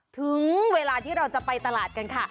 ถึงเวลาที่เราจะไปตลาดกันค่ะ